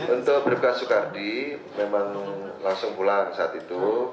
untuk bribka soekardi memang langsung pulang saat itu